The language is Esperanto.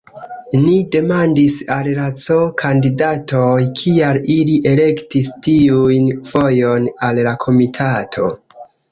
Ni demandis al la C-kandidatoj, kial ili elektis tiun vojon al la komitato.